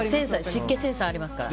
湿気センサーありますから。